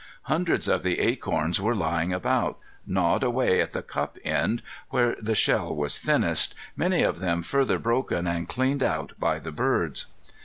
Hundreds of the acorns were lying about, gnawed away at the cup end, where the shell was thinnest, many of them further broken and cleaned out by the birds.